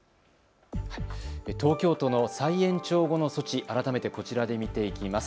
東京都の再延長後の措置、改めてこちらで見ていきます。